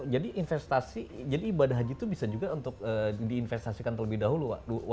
jadi investasi jadi ibadah haji itu bisa juga untuk diinvestasikan terlebih dahulu